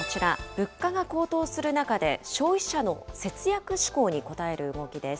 物価が高騰する中で、消費者の節約志向に応える動きです。